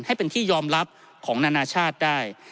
ให้เป็นที่ยอมรับของนานาชาติได้